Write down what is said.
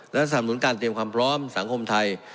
และสนับสนุนการเตรียมความพร้อมสังคมไทย